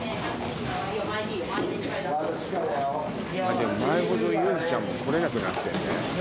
でも前ほどゆんちゃんも来れなくなってるね。